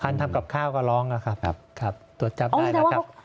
คันทำกับข้าวก็ร้องครับตรวจจับได้แล้วครับ